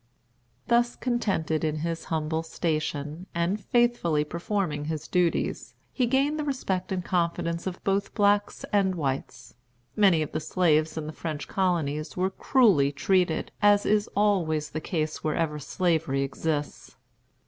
Thus contented in his humble station, and faithfully performing its duties, he gained the respect and confidence of both blacks and whites. Many of the slaves in the French colonies were cruelly treated, as is always the case wherever Slavery exists.